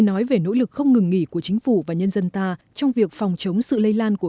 nói về nỗ lực không ngừng nghỉ của chính phủ và nhân dân ta trong việc phòng chống sự lây lan của